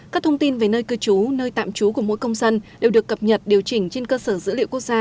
các thông tin về nơi cư trú nơi tạm trú của mỗi công dân đều được cập nhật điều chỉnh trên cơ sở dữ liệu quốc gia